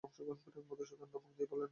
মধুসূদন ধমক দিয়ে বললে, যাও চলে।